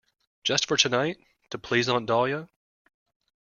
Just for tonight, to please Aunt Dahlia?